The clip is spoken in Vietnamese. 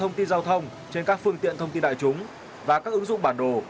giao thông trên các phương tiện thông tin đại chúng và các ứng dụng bản đồ